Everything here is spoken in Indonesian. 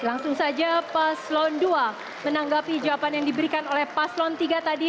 langsung saja paslon dua menanggapi jawaban yang diberikan oleh paslon tiga tadi